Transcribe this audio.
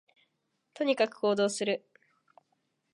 とにかく行動する